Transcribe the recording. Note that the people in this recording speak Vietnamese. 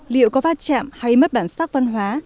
liệu có vát chẹm hay mất bản sắc văn hóa